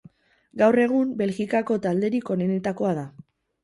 Gaur egun Belgikako talderik onenetakoa da.